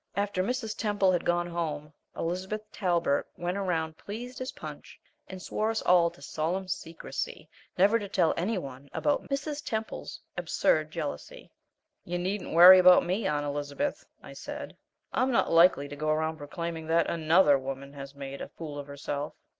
After Mrs. Temple had gone home, Elizabeth Talbert went around pleased as Punch and swore us all to solemn secrecy never to tell any one about "Mrs. Temple's absurd jealousy." "You needn't worry about me, Aunt Elizabeth," I said. "I'm not likely to go around proclaiming that ANOTHER woman has made a fool of herself."